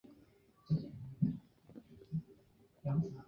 狭叶短毛独活是伞形科独活属短毛牛防风的变种。